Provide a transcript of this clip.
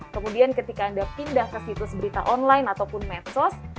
kemudian ketika anda pindah ke situs berita online ataupun medsos